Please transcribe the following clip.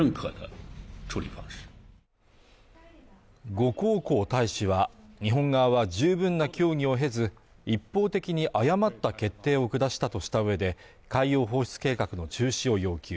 呉江浩大使は、日本側は十分な協議を経ず、一方的に誤った決定を下したとした上で、海洋放出計画の中止を要求